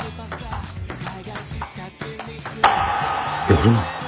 やるな。